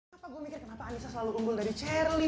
kenapa gue mikir anissa selalu rumbun dari charlie